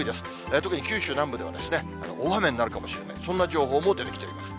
特に九州南部では大雨になるかもしれない、そんな情報も出てきております。